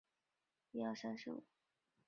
短序落葵薯为落葵科落葵薯属的植物。